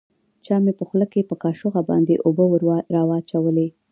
چا مې په خوله کښې په کاشوغه باندې اوبه راواچولې.